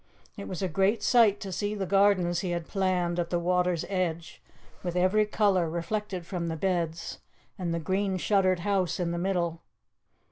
It was a great sight to see the gardens he had planned at the water's edge, with every colour reflected from the beds, and the green shuttered house in the middle.